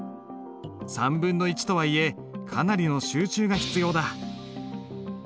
1/3とはいえかなりの集中が必要だ。